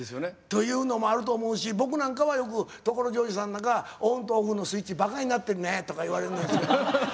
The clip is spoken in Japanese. というのもあると思うし僕なんかはよく所ジョージさんなんか「オンとオフのスイッチバカになってるね」とか言われるんですけども。